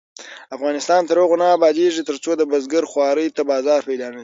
افغانستان تر هغو نه ابادیږي، ترڅو د بزګر خوارۍ ته بازار پیدا نشي.